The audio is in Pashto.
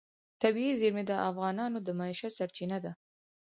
طبیعي زیرمې د افغانانو د معیشت سرچینه ده.